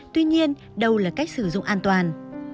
tuy nhiên đâu là cách sử dụng an toàn